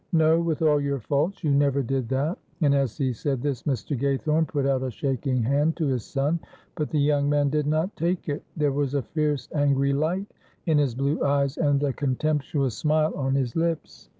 No, with all your faults you never did that." And as he said this Mr. Gaythorne put out a shaking hand to his son, but the young man did not take it. There was a fierce, angry light in his blue eyes and a contemptuous smile on his lips.